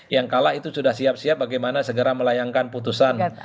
yang kalah itu sudah siap siap bagaimana segera melayangkan putusan